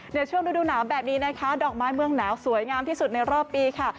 ในช่วงฤดูหนาวแบบนี้นะคะดอกไม้เมืองหนาวสวยงามที่สุดในรอบปีค่ะ